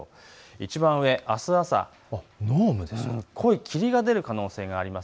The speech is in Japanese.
いちばん上あすの朝、濃い霧が出る可能性があります。